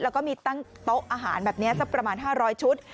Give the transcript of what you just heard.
แล้วก็มีตั้งโต๊ะอาหารแบบนี้สักประมาณ๕๐๐ชุด